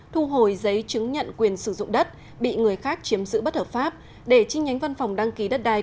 thu hồi giấy chứng nhận quyền sử dụng đất bị người khác chiếm giữ bất hợp pháp để chi nhánh văn phòng đăng ký đất đai